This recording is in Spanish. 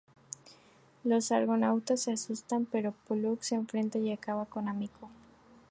Los argonautas se asustan, pero Pólux se enfrenta y acaba con Amico.